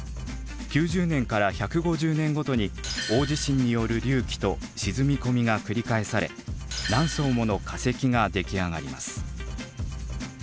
９０年から１５０年ごとに大地震による隆起と沈み込みが繰り返され何層もの化石が出来上がります。